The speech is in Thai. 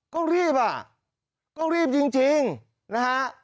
ก็รีบอ่ะก็รีบจริงนะฮะ